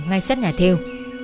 ngay sắt ngả thêu